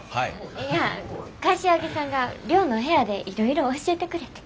いや柏木さんが寮の部屋でいろいろ教えてくれてん。